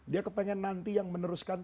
dia kepengen nanti yang meneruskan